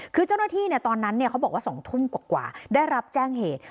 คือเจ้าหน้าที่ตอนนั้นเขาบอกว่า๒ทุ่มกว่าได้รับแจ้งเหตุ